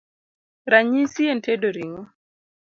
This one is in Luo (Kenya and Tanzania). Ranyisi en tedo ring'o: